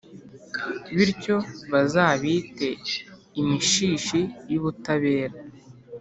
bityo bazabite «imishishi y’ubutabera,